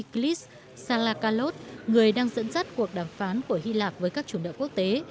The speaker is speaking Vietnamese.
bộ trưởng tài chính của ông eccles salakalos người đang dẫn dắt cuộc đàm phán của hy lạp với các chủ nợ quốc tế